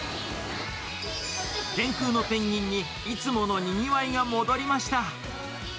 天空のペンギンに、いつものにぎわいが戻りました。